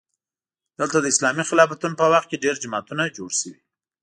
دلته د اسلامي خلافتونو په وخت کې ډېر جوماتونه جوړ شوي.